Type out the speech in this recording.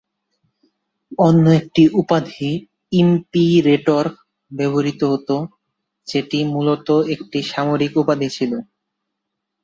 অন্য একটি উপাধি "ইমপিরেটর"ব্যবহৃত হত, যেটি মূলত একটি সামরিক উপাধি ছিল।